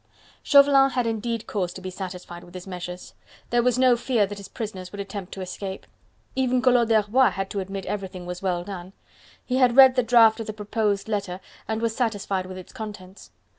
Chauvelin had indeed cause to be satisfied with his measures. There was no fear that his prisoners would attempt to escape. Even Collot d'Herbois had to admit everything was well done. He had read the draft of the proposed letter and was satisfied with its contents.